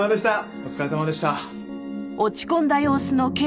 お疲れさまでした。